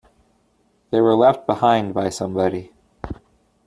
They were left behind by somebody.